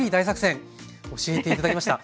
教えて頂きました。